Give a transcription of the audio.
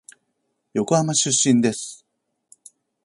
横浜出身です。